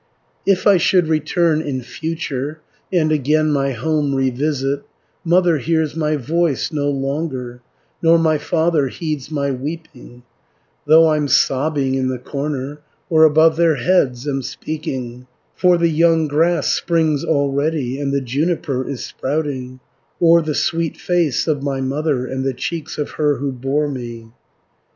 "If I should return in future, And again my home revisit, Mother hears my voice no longer, Nor my father heeds my weeping, Though I'm sobbing in the corner, Or above their heads am speaking, 400 For the young grass springs already And the juniper is sprouting O'er the sweet face of my mother, And the cheeks of her who bore me.